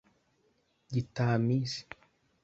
Gitamisi